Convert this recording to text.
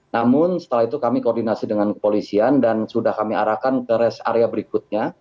namun setelah itu kami koordinasi dengan kepolisian dan sudah kami arahkan ke rest area berikutnya